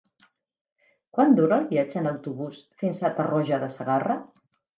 Quant dura el viatge en autobús fins a Tarroja de Segarra?